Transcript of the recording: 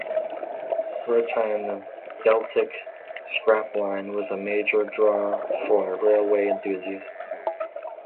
For a time the Deltic scrap line was a major draw for railway enthusiasts.